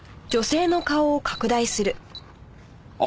あっ！